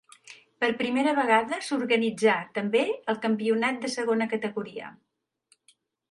Per primera vegada s'organitzà també el campionat de segona categoria.